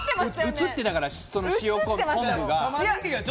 映ってたから、塩昆布が。